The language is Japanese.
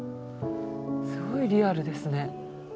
すごいリアルですね。